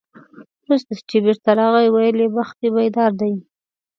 وروسته چې بېرته راغی، ویل یې بخت دې بیدار دی.